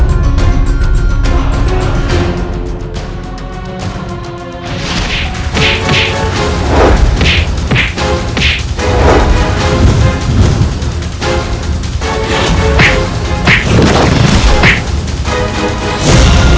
kami membawa orang ini